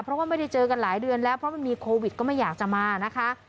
เพราะว่าไม่ได้เจอกันหลายเดือนแล้วเพราะมันมีโควิดก็ไม่อยากจะมานะคะ